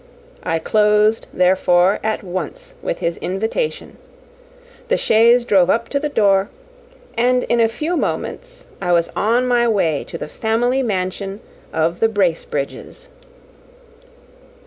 I closed, therefore, at once with his invitation: the chaise drove up to the door; and in a few moments I was on my way to the family mansion of the Bracebridges.